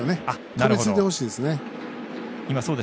飛びついてほしいですよね。